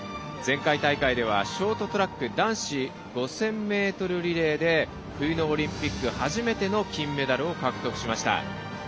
前回大会では、ショートトラック男子５０００ｍリレーで冬のオリンピック初めての金メダルを獲得しました。